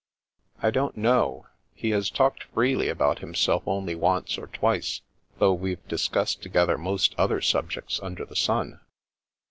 " I don't know. He has talked freely about him self only once or twice, though we've discussed together most other subjects under the sun."